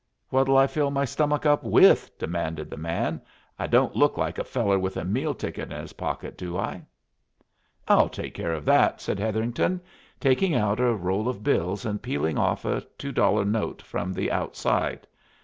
"What'll I fill me stomach up with?" demanded the man. "I don't look like a feller with a meal ticket in his pocket, do I?" "I'll take care of that," said Hetherington, taking out a roll of bills and peeling off a two dollar note from the outside.